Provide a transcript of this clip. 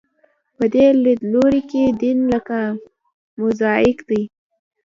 په دې لیدلوري کې دین لکه موزاییک دی.